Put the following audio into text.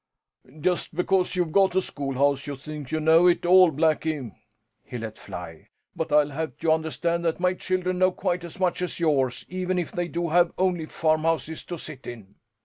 "Just because you've got a schoolhouse you think you know it all, Blackie!" he let fly. "But I'll have you understand that my children know quite as much us yours, even if they do have only farmhouses to sit in."